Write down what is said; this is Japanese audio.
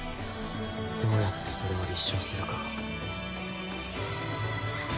どうやってそれを立証するか。